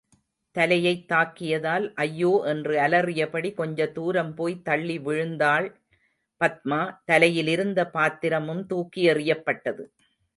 தலையைத் தாக்கியதால், ஐயோ என்று அலறியபடி கொஞ்சதூரம் போய் தள்ளி விழுந்தாள் பத்மா, தலையிலிருந்த பாத்திரமும் தூக்கி எறியப்பட்டது.